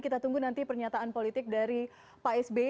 kita tunggu nanti pernyataan politik dari pak sby